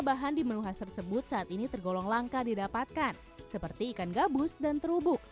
bahan di menu khas tersebut saat ini tergolong langka didapatkan seperti ikan gabus dan terubuk